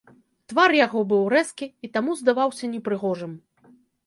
Твар яго быў рэзкі і таму здаваўся непрыгожым.